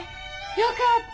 よかった。